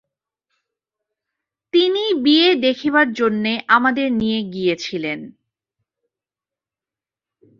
তিনিই বিয়ে দেখিবার জন্য আমাদের নিয়ে গিয়েছিলেন।